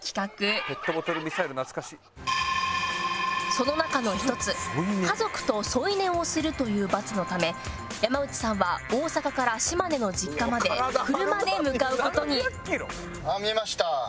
「ペットボトルミサイル懐かしい」「その中の一つ家族と添い寝をするという罰のため山内さんは大阪から島根の実家まで車で向かう事に」